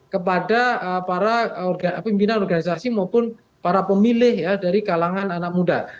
kepada para pimpinan organisasi maupun para pemilih ya dari kalangan anak muda